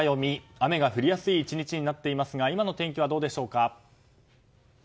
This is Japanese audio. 雨が降りやすい１日になっていますが今の天気はどうでしょうか。